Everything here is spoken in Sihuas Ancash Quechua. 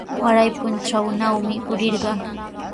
Waray puntrawnawmi yurirqaa.